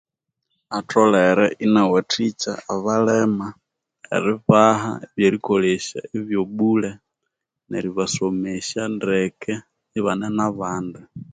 Atholere Ina wathikya abalema eribaha ebye erikolesya ebyo bule neri basomesya ndeke ibane nabandi